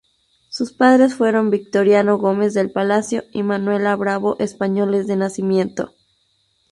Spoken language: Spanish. Sus padres fueron Victoriano Gómez del Palacio y Manuela Bravo, españoles de nacimiento.